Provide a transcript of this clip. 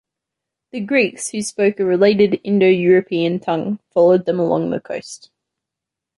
The Greeks, who spoke a related Indo-European tongue, followed them along the coast.